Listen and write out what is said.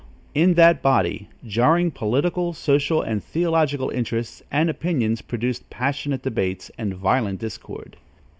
In that body, jarring political, social and theological interests and opinions produced passionate debates and violent discord.